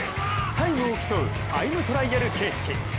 タイムを競うタイムトライアル形式。